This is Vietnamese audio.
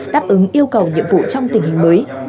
đáp ứng yêu cầu nhiệm vụ trong tình hình mới